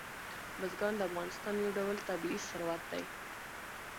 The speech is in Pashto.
بزګان د افغانستان یو ډول طبعي ثروت دی.